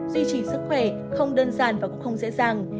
duy trì sức khỏe không đơn giản và cũng không dễ dàng